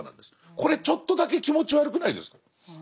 これちょっとだけ気持ち悪くないですか。